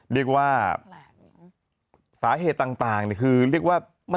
เรียกว่าสาเหตุต่างคือเรียกว่า